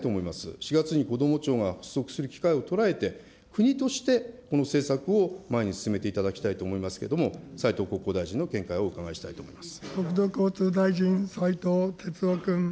４月にこども庁が発足する機会を捉えて、国としてこの政策を前に進めていただきたいと思いますけど、斉藤国交大臣の見解をお伺いしたいと思います。